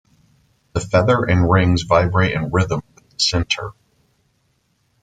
The feather and rings vibrate in rhythm with the sintir.